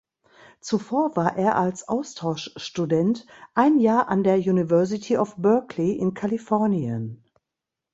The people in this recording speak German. Zuvor war er als Austauschstudent ein Jahr an der University of Berkeley in Kalifornien.